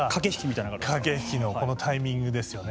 駆け引きのこのタイミングですよね。